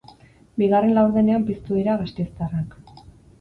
Bigarren laurdenean piztu dira gasteiztarrak.